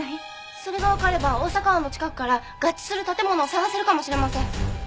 それがわかれば大阪湾の近くから合致する建物を探せるかもしれません。